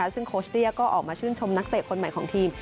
ซึ่งโคชเตี้ยก็ออกมาชื่นชมนักเตะคนใหม่ของทีม